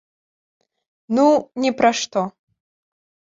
Ну, ні пра што.